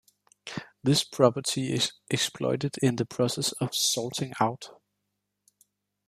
This property is exploited in the process of salting out.